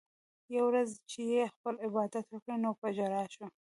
يوه ورځ چې ئې خپل عبادت وکړو نو پۀ ژړا شو